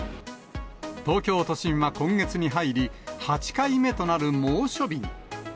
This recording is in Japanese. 東京都心は今月に入り、８回目となる猛暑日に。